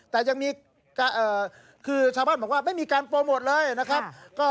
แต่ชาวบ้านบอกว่าไม่มีการโปรโมทเลยนะครับ